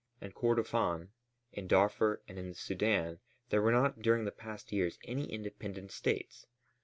In Kordofân, in Darfur and in the Sudân there were not during the past years any independent States.